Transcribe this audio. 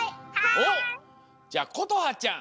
おっ！じゃあことはちゃん！